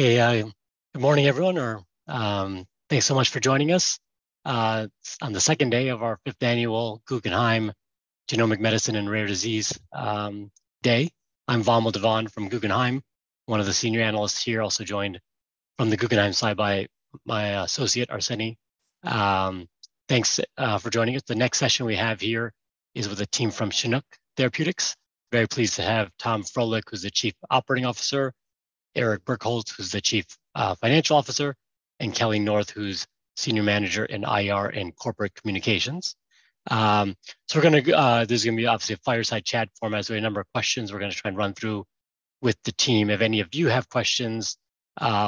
Hey, good morning, everyone, or thanks so much for joining us on the second day of our fifth annual Guggenheim Genomic Medicines and Rare Disease Day. I'm Vamil Divan from Guggenheim, one of the senior analysts here. Also joined from the Guggenheim side by my associate, Arseny. Thanks for joining us. The next session we have here is with a team from Chinook Therapeutics. Very pleased to have Tom Frohlich, who's the Chief Operating Officer, Eric Bjerkholt, who's the Chief Financial Officer, and Kelly North, who's Senior Manager in IR and corporate communications. This is gonna be obviously a fireside chat format. We have a number of questions we're gonna try and run through with the team. If any of you have questions,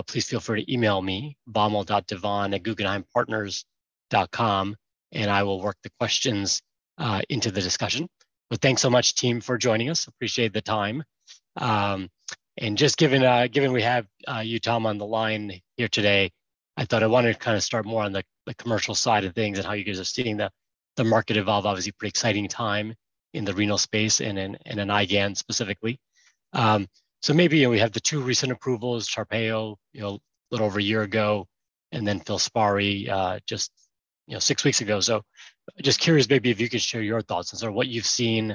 please feel free to email me, Vamil.Divan@guggenheimpartners.com, and I will work the questions into the discussion. Thanks so much, team, for joining us. Appreciate the time. Just given we have, you, Tom, on the line here today, I thought I wanted to kind of start more on the commercial side of things and how you guys are seeing the market evolve. Obviously a pretty exciting time in the renal space and in, and in IgAN specifically. Maybe, you know, we have the two recent approvals, TARPEYO, you know, a little over a year ago, and then FILSPARI, just, you know, 6 weeks ago. Just curious maybe if you could share your thoughts on sort of what you've seen,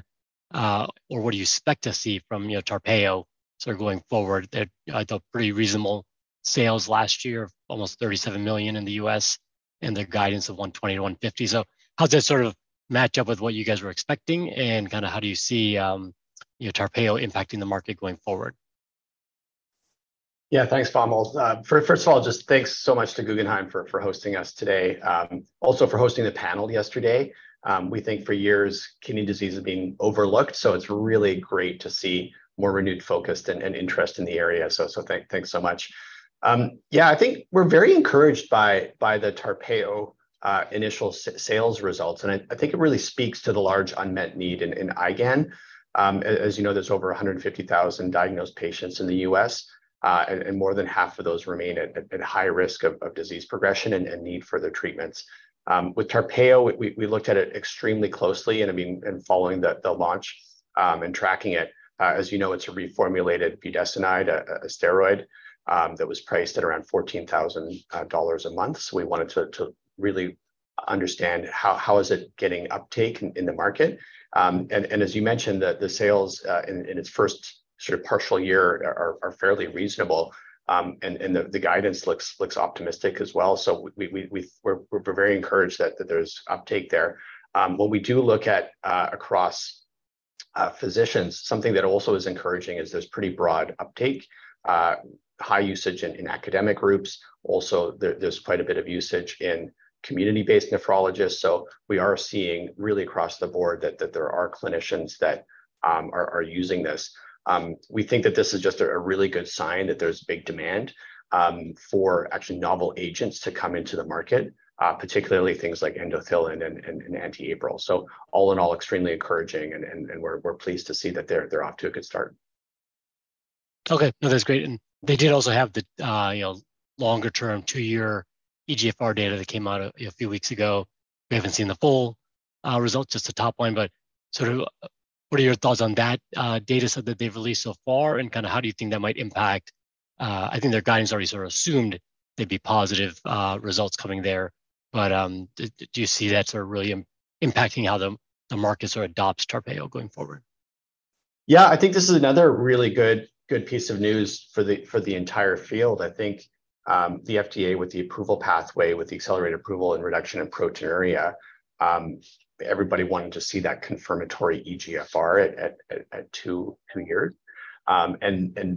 or what do you expect to see from, you know, TARPEYO sort of going forward? They had, I thought, pretty reasonable sales last year, almost $37 million in the U.S., and their guidance of $120 million-$150 million. How does that sort of match up with what you guys were expecting, and kind of how do you see, you know, TARPEYO impacting the market going forward? Yeah. Thanks, Vamil. First of all, just thanks so much to Guggenheim for hosting us today, also for hosting the panel yesterday. We think for years kidney disease has been overlooked. It's really great to see more renewed focus and interest in the area. Thanks so much. Yeah, I think we're very encouraged by the Tarpeyo initial sales results, and I think it really speaks to the large unmet need in IgAN. As you know, there's over 150,000 diagnosed patients in the U.S., and more than half of those remain at high risk of disease progression and need further treatments. With Tarpeyo, we looked at it extremely closely and, I mean, and following the launch and tracking it. As you know, it's a reformulated budesonide, a steroid, that was priced at around $14,000 a month. We wanted to really understand how is it getting uptake in the market. As you mentioned, the sales in its first sort of partial year are fairly reasonable. The guidance looks optimistic as well. We're very encouraged that there's uptake there. What we do look at across physicians, something that also is encouraging is there's pretty broad uptake, high usage in academic groups. Also, there's quite a bit of usage in community-based nephrologists. We are seeing really across the board that there are clinicians that are using this. We think that this is just a really good sign that there's big demand for actually novel agents to come into the market, particularly things like endothelin and anti-APRIL. All in all, extremely encouraging, and we're pleased to see that they're off to a good start. Okay. No, that's great. They did also have the, you know, longer term, 2-year eGFR data that came out a few weeks ago. We haven't seen the full results, just the top line, but sort of what are your thoughts on that data set that they've released so far, and kind of how do you think that might impact, I think their guidance already sort of assumed there'd be positive results coming there. Do you see that sort of really impacting how the market sort of adopts TARPEYO going forward? Yeah. I think this is another really good piece of news for the entire field. I think the FDA with the approval pathway, with the accelerated approval and reduction in proteinuria, everybody wanting to see that confirmatory eGFR at 2 years.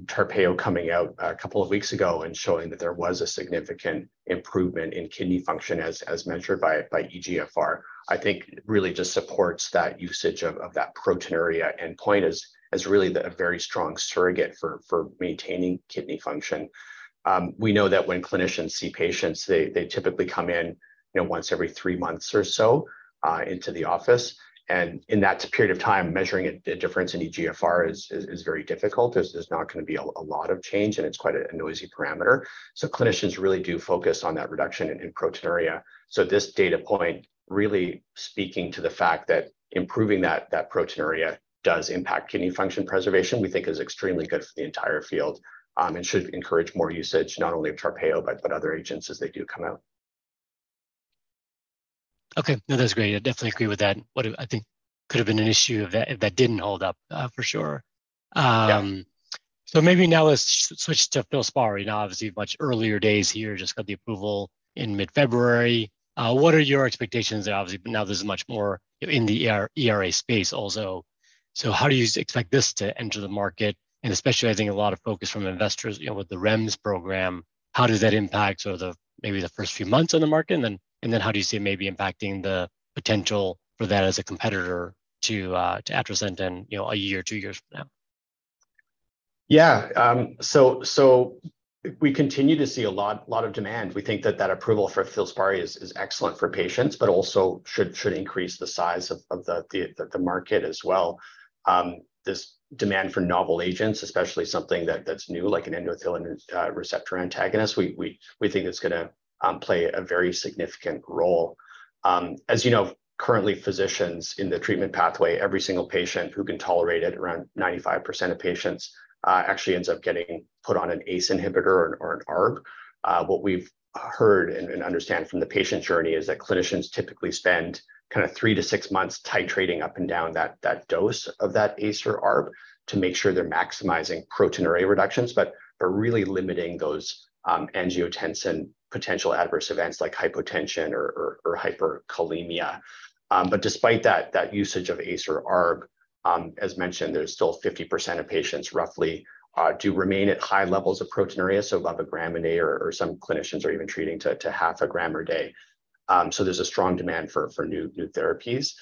TARPEYO coming out a couple of weeks ago and showing that there was a significant improvement in kidney function as measured by eGFR, I think really just supports that usage of that proteinuria endpoint as really a very strong surrogate for maintaining kidney function. We know that when clinicians see patients, they typically come in, you know, once every three months or so into the office. In that period of time, measuring a difference in eGFR is very difficult. There's not gonna be a lot of change, and it's quite a noisy parameter. Clinicians really do focus on that reduction in proteinuria. This data point really speaking to the fact that improving that proteinuria does impact kidney function preservation, we think is extremely good for the entire field, and should encourage more usage not only of TARPEYO, but other agents as they do come out. Okay. No, that's great. I definitely agree with that. What I think could have been an issue if that, if that didn't hold up, for sure. Yeah. Maybe now let's switch to FILSPARI. Now, obviously much earlier days here, just got the approval in mid-February. What are your expectations? Obviously, now this is much more, you know, in the ERA space also. How do you expect this to enter the market? Especially, I think, a lot of focus from investors, you know, with the REMS program. How does that impact sort of the maybe the first few months on the market? How do you see it maybe impacting the potential for that as a competitor to Atrasentan in, you know, a year or 2 years from now? Yeah. We continue to see a lot of demand. We think that approval for FILSPARI is excellent for patients, but also should increase the size of the market as well. This demand for novel agents, especially something that's new, like an endothelin receptor antagonist, we think it's gonna play a very significant role. As you know, currently physicians in the treatment pathway, every single patient who can tolerate it, around 95% of patients actually ends up getting put on an ACE inhibitor or an ARB. What we've heard and understand from the patient journey is that clinicians typically spend kind of 3-6 months titrating up and down that dose of that ACE or ARB to make sure they're maximizing proteinuria reductions. They're really limiting those angiotensin potential adverse events like hypotension or hyperkalemia. Despite that usage of ACE or ARB, as mentioned, there's still 50% of patients roughly do remain at high levels of proteinuria, so about 1 gram a day or some clinicians are even treating to half a gram a day. There's a strong demand for new therapies.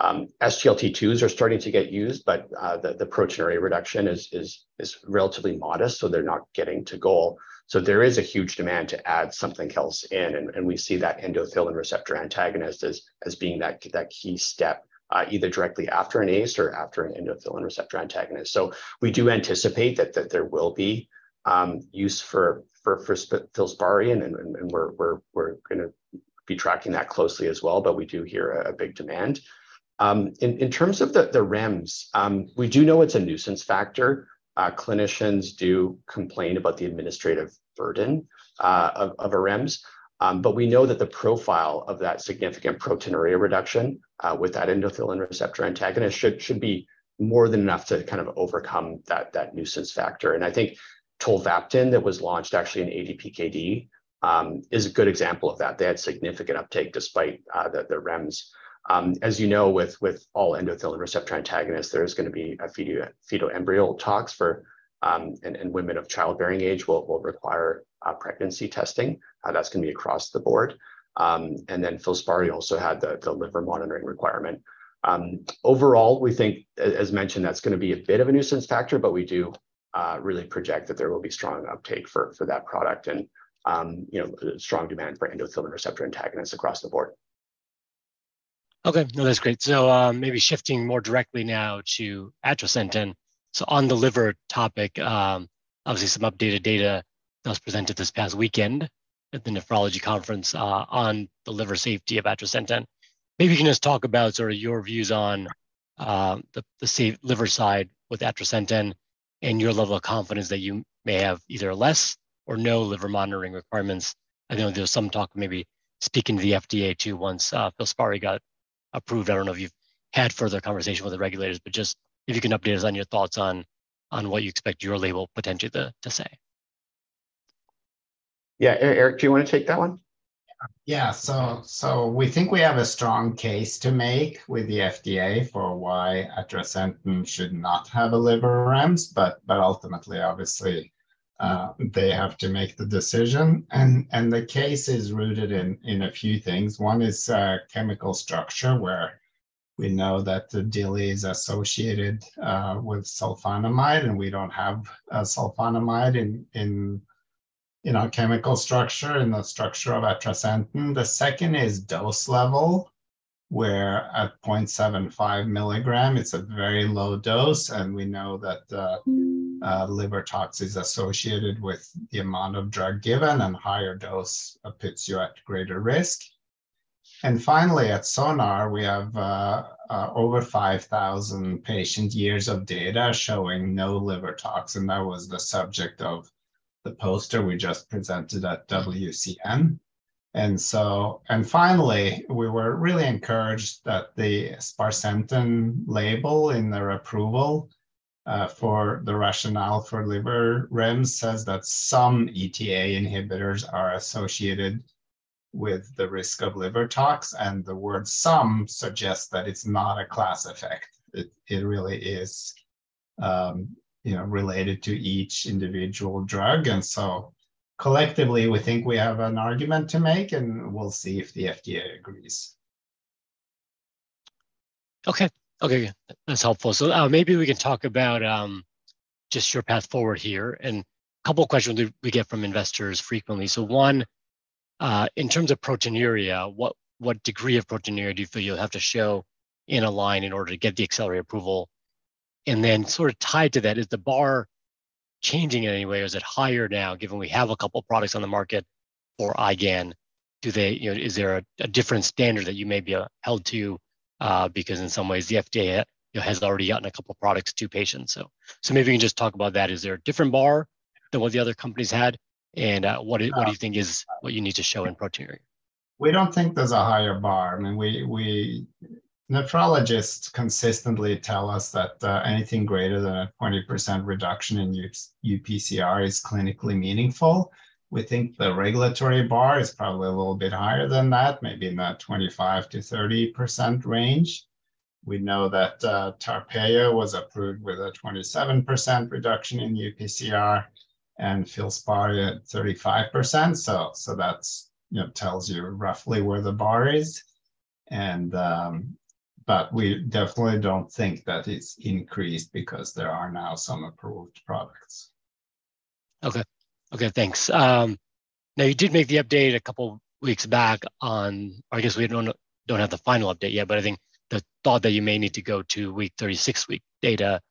SGLT2s are starting to get used, the proteinuria reduction is relatively modest, so they're not getting to goal. There is a huge demand to add something else in, and we see that endothelin receptor antagonist as being that key step, either directly after an ACE or after an endothelin receptor antagonist. We do anticipate that there will be use for FILSPARI, and we're gonna be tracking that closely as well. We do hear a big demand. In terms of the REMS, we do know it's a nuisance factor. Clinicians do complain about the administrative burden of a REMS, but we know that the profile of that significant proteinuria reduction with that endothelin receptor antagonist should be more than enough to kind of overcome that nuisance factor. I think tolvaptan that was launched actually in ADPKD is a good example of that. They had significant uptake despite the REMS. As you know, with all endothelin receptor antagonists, there is gonna be a fetal-embryo tox for, and women of childbearing age will require pregnancy testing. That's gonna be across the board. Then FILSPARI also had the liver monitoring requirement. Overall, we think, as mentioned, that's gonna be a bit of a nuisance factor, but we do really project that there will be strong uptake for that product and, you know, strong demand for endothelin receptor antagonists across the board. No, that's great. Maybe shifting more directly now to Atrasentan. On the liver topic, obviously some updated data that was presented this past weekend at the nephrology conference on the liver safety of Atrasentan. Maybe you can just talk about sort of your views on the liver side with Atrasentan and your level of confidence that you may have either less or no liver monitoring requirements. I know there was some talk maybe speaking to the FDA too once FILSPARI got approved. I don't know if you've had further conversation with the regulators, but just if you can update us on your thoughts on what you expect your label potentially to say? Yeah. Eric, do you wanna take that one? Yeah. We think we have a strong case to make with the FDA for why Atrasentan should not have a liver REMS, but ultimately, obviously, they have to make the decision. The case is rooted in a few things. One is chemical structure, where we know that the DILI is associated with sulfonamide, and we don't have a sulfonamide in our chemical structure, in the structure of Atrasentan. The second is dose level, where at 0.75 milligram, it's a very low dose, and we know that liver tox is associated with the amount of drug given, and higher dose puts you at greater risk. Finally, at SONAR, we have over 5,000 patient years of data showing no liver toxin. That was the subject of the poster we just presented at WCN. Finally, we were really encouraged that the Sparsentan label in their approval, for the rationale for liver REMS says that some ETA inhibitors are associated with the risk of liver tox. The word some suggests that it's not a class effect. It really is, you know, related to each individual drug. Collectively, we think we have an argument to make. We'll see if the FDA agrees. Okay, good. That's helpful. Maybe we can talk about just your path forward here, and a couple questions we get from investors frequently. One, in terms of proteinuria, what degree of proteinuria do you feel you'll have to show in ALIGN in order to get the accelerated approval? And then sort of tied to that, is the bar changing in any way, or is it higher now given we have a couple products on the market for IgAN? Do they, you know, is there a different standard that you may be held to because in some ways the FDA, you know, has already gotten a couple products to patients? Maybe you can just talk about that. Is there a different bar than what the other companies had? What do you think is what you need to show in proteinuria? We don't think there's a higher bar. I mean, Nephrologists consistently tell us that anything greater than a 20% reduction in UPCR is clinically meaningful. We think the regulatory bar is probably a little bit higher than that, maybe in that 25%-30% range. We know that TARPEYO was approved with a 27% reduction in UPCR and FILSPARI at 35%, that's, you know, tells you roughly where the bar is. We definitely don't think that it's increased because there are now some approved products. Okay. Okay, thanks. now you did make the update a couple weeks back on... I guess we don't have the final update yet, but I think the thought that you may need to go to week 36-week data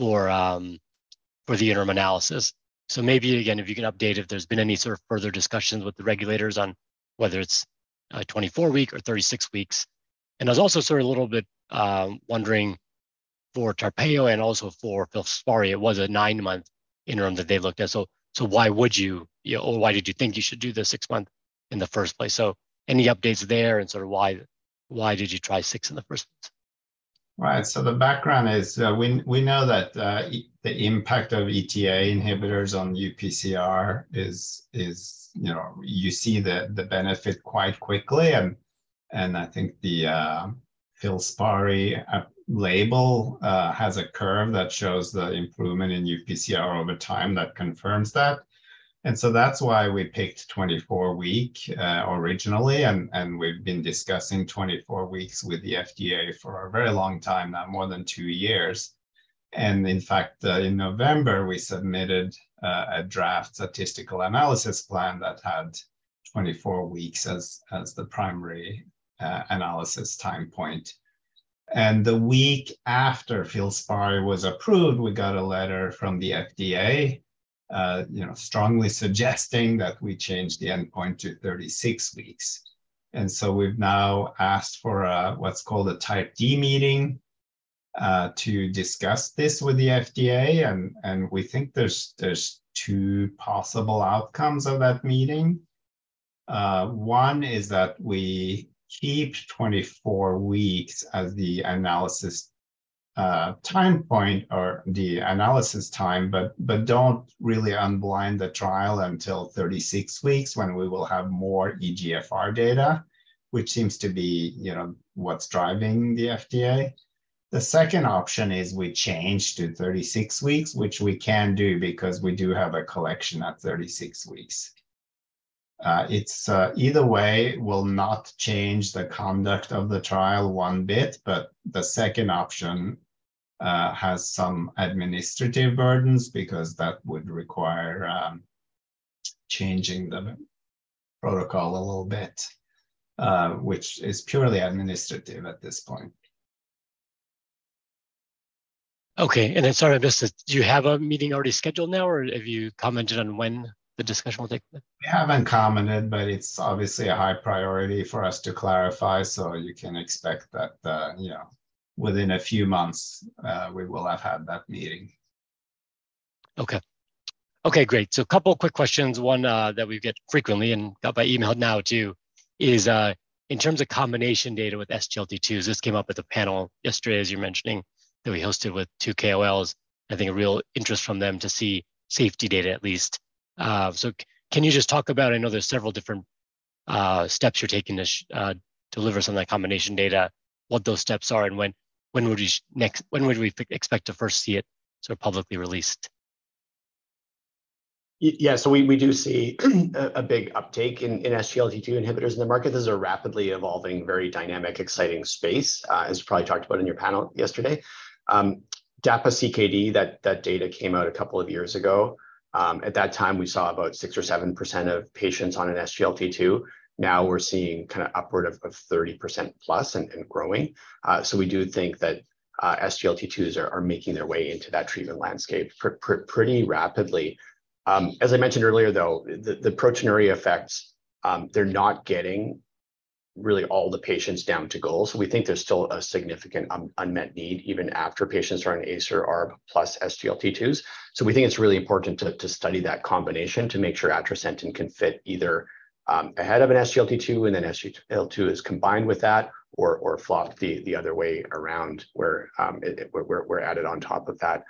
for the interim analysis. Maybe again, if you can update if there's been any sort of further discussions with the regulators on whether it's 24-week or 36-weeks. I was also sort of a little bit wondering for TARPEYO and also for FILSPARI, it was a 9-month interim that they looked at. Why would you, or why did you think you should do the 6-month in the first place? Any updates there and sort of why did you try 6 in the first place? Right. The background is, we know that the impact of ETA inhibitors on UPCR is, you know, you see the benefit quite quickly and I think the FILSPARI label has a curve that shows the improvement in UPCR over time that confirms that. That's why we picked 24 week originally, and we've been discussing 24 weeks with the FDA for a very long time, now more than 2 years. In fact, in November, we submitted a draft statistical analysis plan that had 24 weeks as the primary analysis time point. The week after FILSPARI was approved, we got a letter from the FDA, you know, strongly suggesting that we change the endpoint to 36 weeks. We've now asked for what's called a Type D meeting to discuss this with the FDA, and we think there's two possible outcomes of that meeting. One is that we keep 24 weeks as the analysis time point or the analysis time, but don't really unblind the trial until 36 weeks when we will have more eGFR data, which seems to be, you know, what's driving the FDA. The second option is we change to 36 weeks, which we can do because we do have a collection at 36 weeks. It's either way will not change the conduct of the trial 1 bit, but the second option has some administrative burdens because that would require changing the protocol a little bit, which is purely administrative at this point. Okay. Sort of just do you have a meeting already scheduled now, or have you commented on when the discussion will take place? We haven't commented, but it's obviously a high priority for us to clarify, so you can expect that, you know, within a few months, we will have had that meeting. Okay. Okay, great. A couple of quick questions. One, that we get frequently and by email now too is, in terms of combination data with SGLT2s, this came up at the panel yesterday, as you're mentioning, that we hosted with two KOLs. I think a real interest from them to see safety data at least. Can you just talk about, I know there's several different steps you're taking to deliver some of that combination data, what those steps are, and when would you next expect to first see it sort of publicly released? Yeah. We do see a big uptake in SGLT2 inhibitors in the market. This is a rapidly evolving, very dynamic, exciting space, as probably talked about in your panel yesterday. DAPA-CKD, that data came out a couple of years ago. At that time, we saw about 6% or 7% of patients on an SGLT2. Now we're seeing kinda upward of 30% plus and growing. We do think that SGLT2s are making their way into that treatment landscape pretty rapidly. As I mentioned earlier, though, the proteinuria effects, they're not getting really all the patients down to goal. We think there's still a significant unmet need even after patients are on ACE or ARB plus SGLT2s. We think it's really important to study that combination to make sure Atrasentan can fit either ahead of an SGLT2, and then SGLT2 is combined with that or flopped the other way around where we're added on top of that.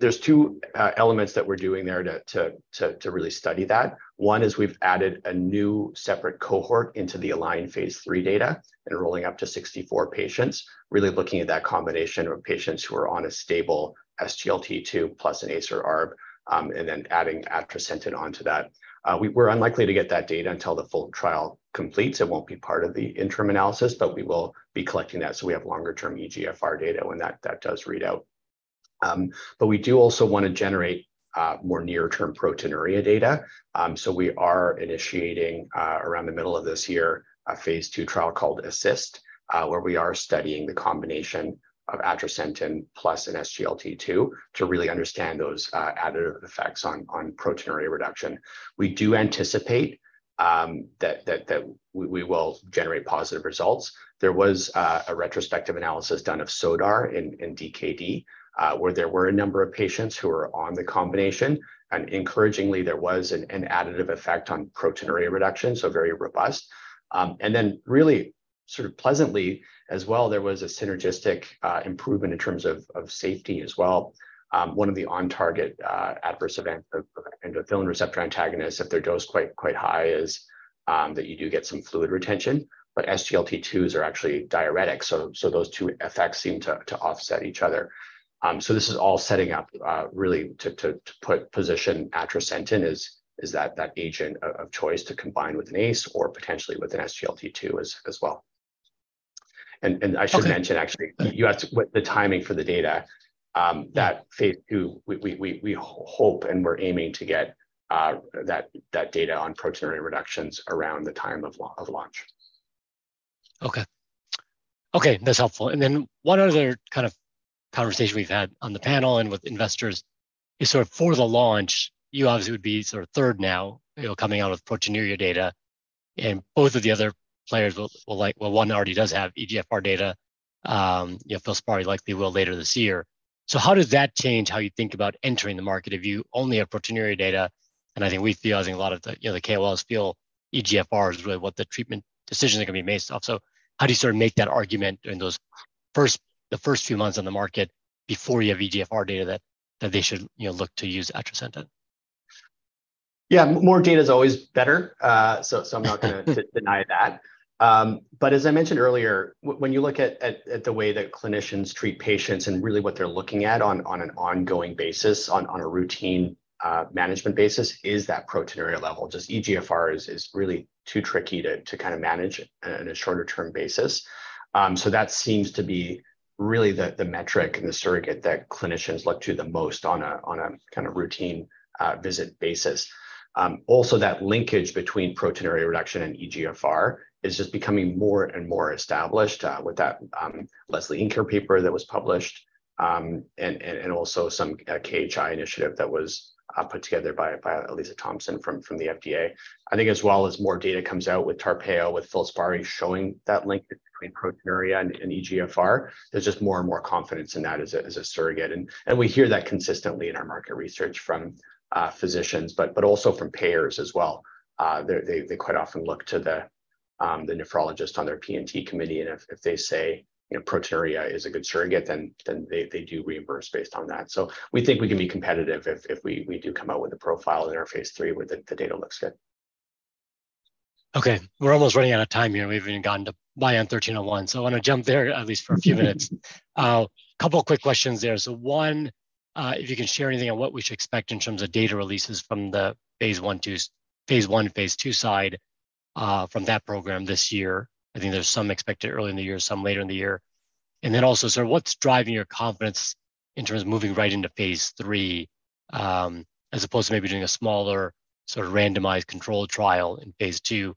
There's 2 elements that we're doing there to really study that. One is we've added a new separate cohort into the ALIGN Phase 3 data and rolling up to 64 patients, really looking at that combination of patients who are on a stable SGLT2 plus an ACE or ARB, and then adding Atrasentan onto that. We're unlikely to get that data until the full trial completes. It won't be part of the interim analysis, but we will be collecting that, so we have longer-term eGFR data when that does read out. We do also wanna generate more near-term proteinuria data, so we are initiating around the middle of this year a phase 2 trial called ASSIST, where we are studying the combination of Atrasentan plus an SGLT2 to really understand those additive effects on proteinuria reduction. We do anticipate that we will generate positive results. There was a retrospective analysis done of SONAR in DKD, where there were a number of patients who were on the combination. Encouragingly, there was an additive effect on proteinuria reduction, so very robust. Then really sort of pleasantly as well, there was a synergistic improvement in terms of safety as well. One of the on target adverse event for endothelin receptor antagonists, if their dose quite high is that you do get some fluid retention. SGLT2s are actually diuretic, so those two effects seem to offset each other. This is all setting up really to put position Atrasentan is that agent of choice to combine with an ACE or potentially with an SGLT2 as well. I should mention, actually, you asked what the timing for the data, that Phase 2, we hope and we're aiming to get, that data on proteinuria reductions around the time of launch. Okay. Okay, that's helpful. One other kind of conversation we've had on the panel and with investors is sort of for the launch, you obviously would be sort of third now, you know, coming out with proteinuria data, and both of the other players will, one already does have eGFR data. you know, FILSPARI likely will later this year. How does that change how you think about entering the market if you only have proteinuria data? I think we feel, you know, the KOLs feel eGFR is really what the treatment decisions are gonna be based off. How do you sort of make that argument during the first few months on the market before you have eGFR data that they should, you know, look to use Atrasentan? Yeah, more data is always better. I'm not gonna deny that. As I mentioned earlier, when you look at the way that clinicians treat patients and really what they're looking at on an ongoing basis, on a routine management basis, is that proteinuria level. Just eGFR is really too tricky to kind of manage on a shorter term basis. That seems to be really the metric and the surrogate that clinicians look to the most on a kind of routine visit basis. Also that linkage between proteinuria reduction and eGFR is just becoming more and more established with that Lesley Inker paper that was published and also some KHI initiative that was put together by Aliza Thompson from the FDA. I think as well as more data comes out with TARPEYO, with FILSPARI showing that link between proteinuria and eGFR, there's just more and more confidence in that as a surrogate. We hear that consistently in our market research from physicians, but also from payers as well. They quite often look to the nephrologist on their P&T committee, and if they say, you know, proteinuria is a good surrogate, then they do reimburse based on that. We think we can be competitive if we do come out with a profile in our phase 3 where the data looks good. Okay, we're almost running out of time here. We haven't even gotten to BION-1301, I wanna jump there at least for a few minutes. Couple quick questions there. One, if you can share anything on what we should expect in terms of data releases from the phase 1 to phase 2 side from that program this year. I think there's some expected early in the year, some later in the year. Also sort of what's driving your confidence in terms of moving right into phase 3 as opposed to maybe doing a smaller sort of randomized controlled trial in phase 2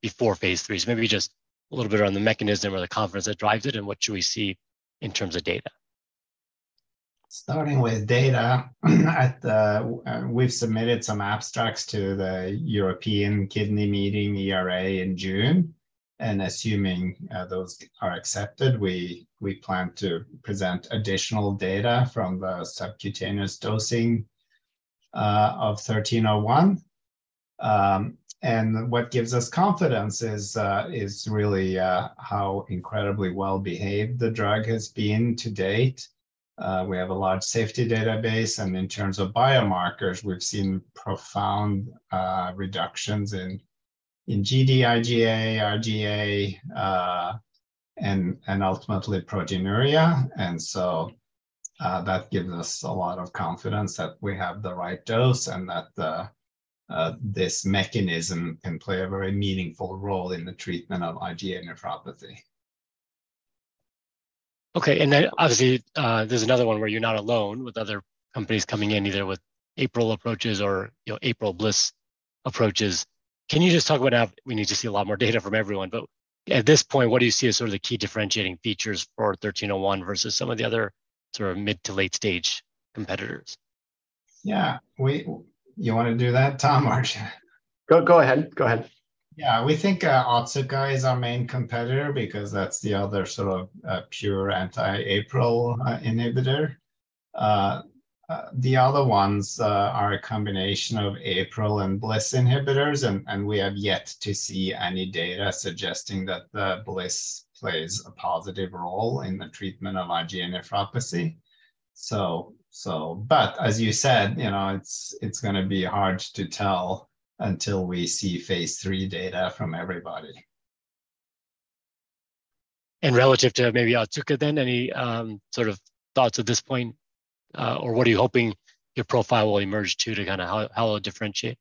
before phase 3. Maybe just a little bit around the mechanism or the confidence that drives it and what should we see in terms of data. Starting with data, we've submitted some abstracts to the European Kidney Meeting, ERA, in June. Assuming those are accepted, we plan to present additional data from the subcutaneous dosing of 1301. What gives us confidence is really how incredibly well-behaved the drug has been to date. We have a large safety database, and in terms of biomarkers, we've seen profound reductions in Gd-IgA1 and ultimately proteinuria. So that gives us a lot of confidence that we have the right dose and that this mechanism can play a very meaningful role in the treatment of IgA nephropathy. Okay. Obviously, there's another one where you're not alone with other companies coming in, either with APRIL approaches or, you know, APRIL-BLyS approaches. Can you just talk about how we need to see a lot more data from everyone, but at this point, what do you see as sort of the key differentiating features for BION-1301 versus some of the other sort of mid to late stage competitors? Yeah. You wanna do that, Tom, or shall I? Go ahead. Go ahead. Yeah. We think, Otsuka is our main competitor because that's the other sort of, pure anti-APRIL inhibitor. The other ones, are a combination of APRIL and BLyS inhibitors, and we have yet to see any data suggesting that the BLyS plays a positive role in the treatment of IgA nephropathy. As you said, you know, it's gonna be hard to tell until we see phase three data from everybody. Relative to maybe Otsuka then, any sort of thoughts at this point, or what are you hoping your profile will emerge to kind of how it'll differentiate?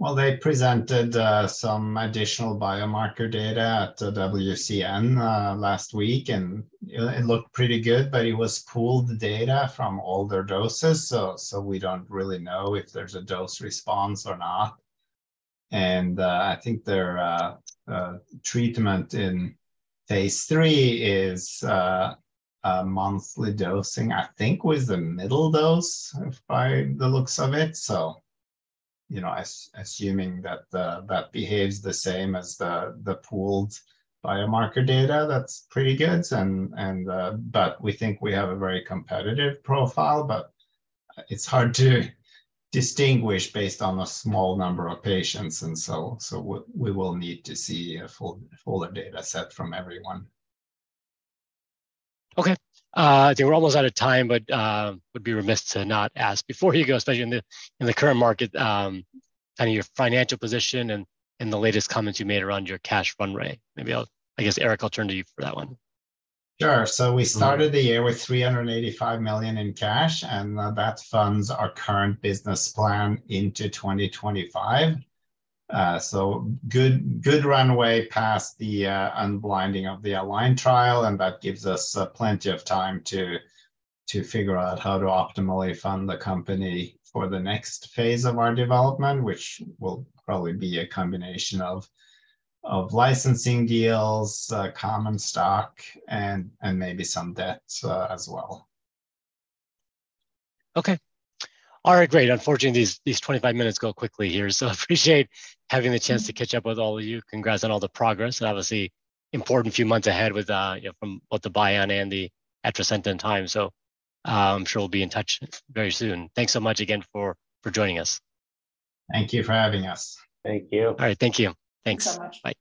Well, they presented some additional biomarker data at WCN last week, and it looked pretty good, but it was poled data from all their doses, so we don't really know if there's a dose response or not. I think their treatment in phase 3 is a monthly dosing. I think it was the middle dose by the looks of it. You know, assuming that that behaves the same as the pooled biomarker data, that's pretty good. But we think we have a very competitive profile, but it's hard to distinguish based on the small number of patients. So we will need to see a full, fuller data set from everyone. Okay. I think we're almost out of time. Would be remiss to not ask before you go, especially in the, in the current market, kind of your financial position and the latest comments you made around your cash run rate. I guess, Eric, I'll turn to you for that one. Sure. We started the year with $385 million in cash, and that funds our current business plan into 2025. So good runway past the unblinding of the ALIGN trial, and that gives us plenty of time to figure out how to optimally fund the company for the next phase of our development, which will probably be a combination of licensing deals, common stock, and maybe some debts as well. Okay. All right, great. Unfortunately, these 25 minutes go quickly here, so appreciate having the chance to catch up with all of you. Congrats on all the progress. Obviously important few months ahead with, you know, from both the BION and the Atrasentan time. I'm sure we'll be in touch very soon. Thanks so much again for joining us. Thank you for having us. Thank you. All right. Thank you. Thanks. Thanks so much. Bye.